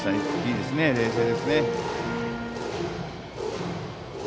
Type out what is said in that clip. いいですね、冷静です。